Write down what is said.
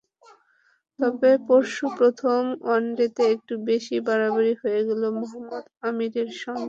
তবে পরশু প্রথম ওয়ানডেতে একটু বেশিই বাড়াবাড়ি হয়ে গেল মোহাম্মদ আমিরের সঙ্গে।